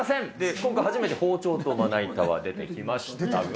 今回初めて包丁とまな板は出てきましたが。